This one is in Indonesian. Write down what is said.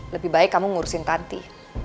lebih baik kamu ngurusin tanti